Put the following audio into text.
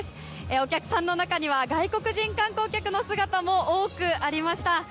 お客さんの中には外国人観光客の姿も多くありました。